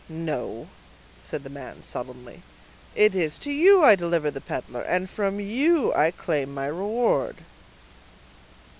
"No," said the man, sullenly, "it is to you I deliver the peddler, and from you I claim my reward."